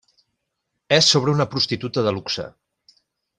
És sobre una prostituta de luxe.